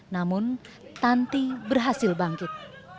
namun tanti berhasil bangkit